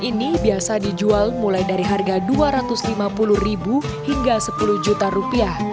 ini biasa dijual mulai dari harga dua ratus lima puluh hingga sepuluh juta rupiah